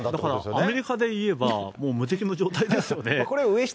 アメリカでいえば、もう無敵の状態ですよね。